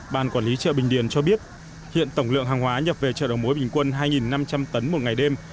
ban quản lý chợ bình điền cho biết hiện tổng lượng hàng hóa nhập về chợ đầu mối bình quân hai năm trăm linh tấn một ngày đêm